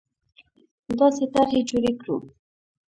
داسې طرحې جوړې کړو